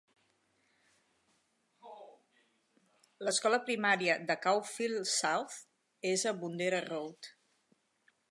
L'escola primària de Caulfield South es a Bundeera Road.